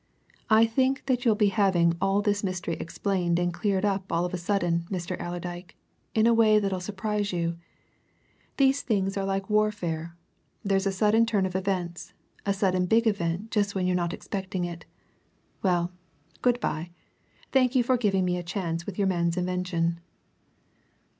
"I think that you'll be having all this mystery explained and cleared up all of a sudden, Mr. Allerdyke, in a way that'll surprise you. These things are like warfare there's a sudden turn of events, a sudden big event just when you're not expecting it. Well, good bye thank you for giving me a chance with your man's invention."